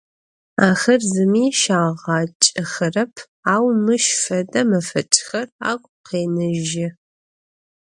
Ахэр зыми щагъакӏэхэрэп, ау мыщ фэдэ мэфэкӏхэр агу къенэжьы.